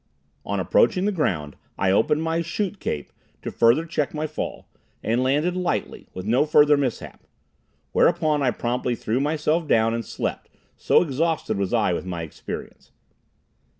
On approaching the ground I opened my chute cape, to further check my fall, and landed lightly, with no further mishap. Whereupon I promptly threw myself down and slept, so exhausted was I with my experience.